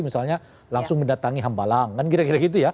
misalnya langsung mendatangi hamba langan kira kira gitu